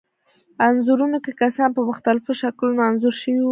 انځورونو کې کسان په مختلفو شکلونو انځور شوي وو.